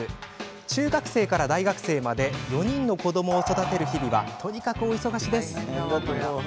中学生から大学生まで４人の子どもを育てる日々はとにかく大忙しです。